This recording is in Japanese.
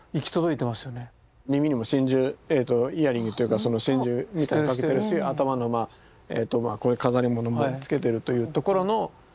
耳にも真珠イヤリングというか真珠みたいなのかけてるし頭のこういう飾り物もつけてるというところの。